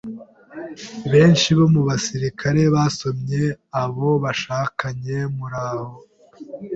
Benshi mu basirikare basomye abo bashakanye muraho.